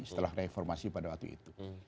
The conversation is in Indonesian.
setelah reformasi pada waktu itu